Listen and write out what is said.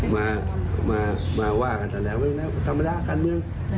มามามาว่ากันทั้งแหละธรรมดาการเมือง